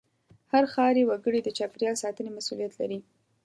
هر ښاري وګړی د چاپېریال ساتنې مسوولیت لري.